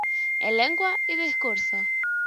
En Lengua y discurso.